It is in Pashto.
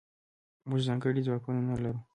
موږځنکړي ځواکونه نلرو